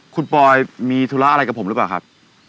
คุณปอยมีธุระอะไรกับผมหรือเปล่าครับ